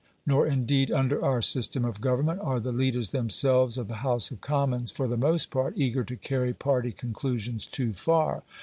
Nor indeed, under our system of government, are the leaders themselves of the House of Commons, for the most part, eager to carry party conclusions too far.